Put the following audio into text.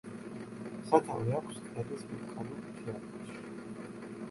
სათავე აქვს ყელის ვულკანურ მთიანეთში.